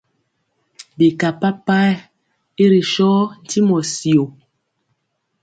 Bika papayɛ i ri so ntimɔ syo.